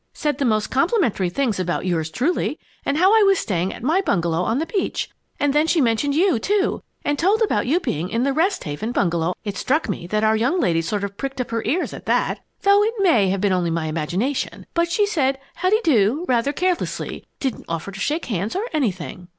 Said the most complimentary things about yours truly, and how I was staying at my bungalow on the beach; and then she mentioned you, too, and told about you being in the 'Rest Haven' bungalow. It struck me that our young lady sort of pricked up her ears at that (though it may have been only imagination). But she just said 'How de do,' rather carelessly didn't offer to shake hands or anything.